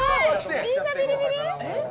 みんなビリビリ？